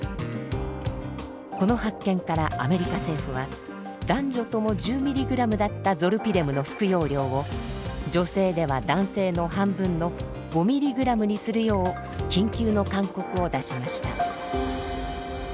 この発見からアメリカ政府は男女とも１０ｍｇだったゾルピデムの服用量を女性では男性の半分の５ｍｇにするよう緊急の勧告を出しました。